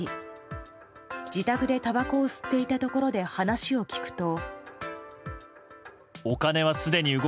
自宅でたばこを吸っていたところで話を聞くと。